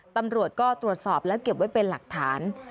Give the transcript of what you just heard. ตำรวจก็ตรวจสอบแล้วเก็บไว้เป็นหลักฐาน